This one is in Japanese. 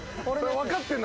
分かってんだね。